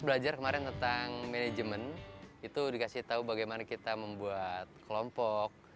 belajar kemarin tentang manajemen itu dikasih tahu bagaimana kita membuat kelompok